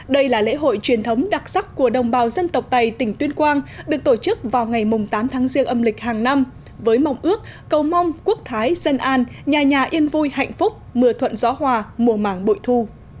đây là lễ hội truyền thống đặc sắc của đồng bào dân tộc tây tỉnh tuyên quang được tổ chức vào ngày tám tháng riêng âm lịch hàng năm với mong ước cầu mong quốc thái dân an nhà nhà yên vui hạnh phúc mưa thuận gió hòa mùa màng bội thu